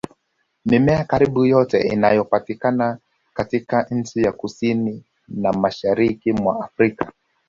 Mimea karibu yote inayopatikana katika nchi za Kusini na Mashariki mwa Afrika